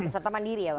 serta mandiri ya bang